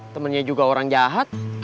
temennya juga orang jahat